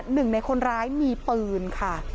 หนึ่งในคนร้ายมีปืนค่ะ